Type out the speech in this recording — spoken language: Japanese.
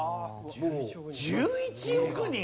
１１億人！